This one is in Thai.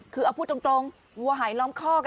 คือเอาพูดตรงวัวหายล้อมคอก